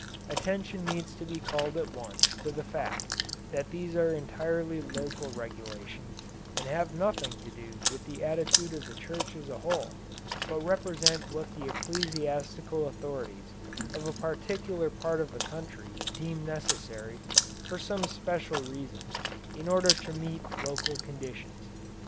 Attention needs to be called at once to the fact that these are entirely local regulations and have nothing to do with the attitude of the Church as a whole, but represent what the ecclesiastical authorities of a particular part of the country deem necessary for some special reason in order to meet local conditions.